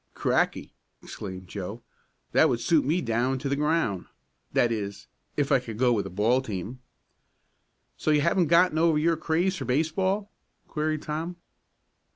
"Cracky!" exclaimed Joe. "That would suit me down to the ground that is if I could go with a ball team." "So you haven't gotten over your craze for baseball?" queried Tom.